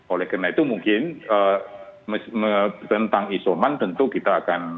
oleh karena itu mungkin tentang isoman tentu kita akan